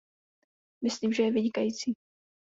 Myslím, že je vynikající.